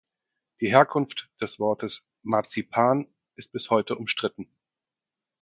Die Herkunft des Wortes "Marzipan" ist bis heute umstritten.